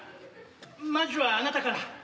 まじゅはあなたから。